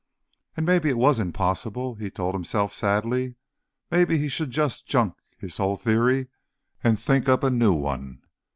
And maybe it was impossible, he told himself sadly. Maybe he should just junk his whole theory and think up a new one.